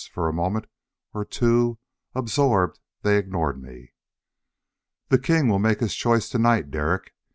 For a moment or two, absorbed, they ignored me. "The king will make his choice to night, Derek.